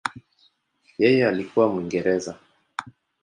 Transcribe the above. Yeye alikuwa Mwingereza.